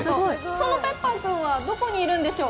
そのＰｅｐｐｅｒ君はどこにいるんでしょう？